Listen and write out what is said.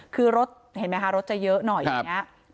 คือที่รถเห็นไหมนะคะรถจะเยอะหน่อยอย่างเงี้ยครับ